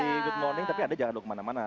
di good morning tapi anda jangan mau kemana mana